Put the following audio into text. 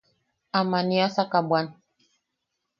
Am aniasaka bwan.